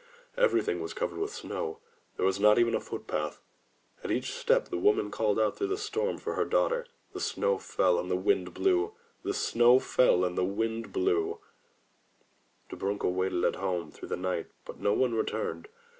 Everything was covered with snow; there was not even a foot path. At each step the woman called out through the storm for her daughter. The snow fell and the wind blew, the snow fell and the wind blew — 152 THROUGH FAIRY HALLS Dobrunka waited at home through the night but no one returned.